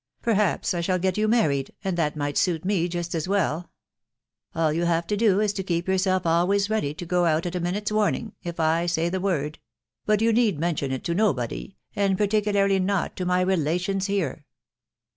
Perhaps I shall get you married, and that might suit me just as well. All you have to do is to keep yourself always ready to go out at a minute's warning, if I say the word ; but you need mention it to nobody, and parti cularly not to my relations here."